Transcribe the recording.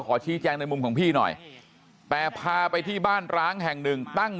ขอชี้แจงในมุมของพี่หน่อยแต่พาไปที่บ้านร้างแห่งหนึ่งตั้ง